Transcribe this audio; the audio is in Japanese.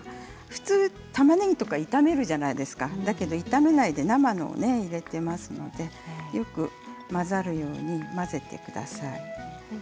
普通たまねぎとか炒めるじゃないですか、炒めないで生のものを入れていますのでよく混ざるように混ぜてください。